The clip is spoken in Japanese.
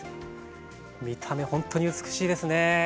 見た目ほんとに美しいですね。